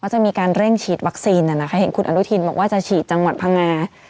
จะมีการเร่งฉีดวัคซีนเห็นคุณอนุทินบอกว่าจะฉีดจังหวัดพังงา